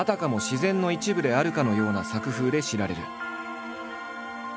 自然の一部であるかのような作風で知られる。